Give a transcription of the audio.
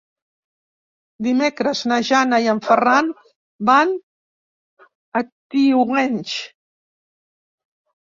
Dimecres na Jana i en Ferran van a Tivenys.